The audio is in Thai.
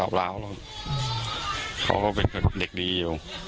ที่สายเหาะอาจเป็นคนเด็กดี